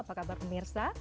apa kabar pemirsa